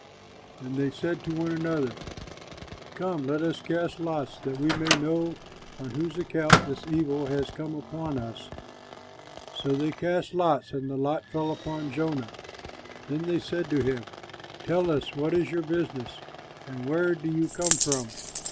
And they said to one another, "Come, let us cast lots, that we may know on whose account this evil has come upon us." So they cast lots, and the lot fell upon Jonah. Then they said to him, "Tell us, what is your business, and where do you come from?